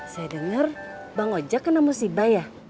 saya dengar bang ojek kena musibah ya